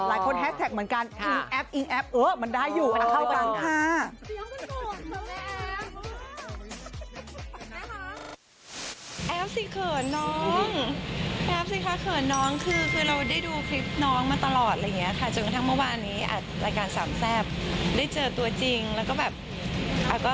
หลายคนแฮชแทคเหมือนกันอิงแอ๊บอิงแอ๊บมันได้อยู่เข้ากันค่ะ